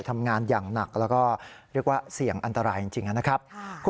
ทำงานอย่างหนักแล้วก็เรียกว่าเสี่ยงอันตรายจริงนะครับ